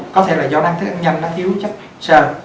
có thể là do năng thức ăn nhanh nó thiếu chất sơn